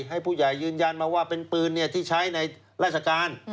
ให้ผู้ใหญ่ยืนยันมาว่าเป็นปืนที่ใช้ในราชการ